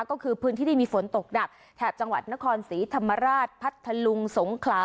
ก็คือพื้นที่ที่มีฝนตกหนักแถบจังหวัดนครศรีธรรมราชพัทธลุงสงขลา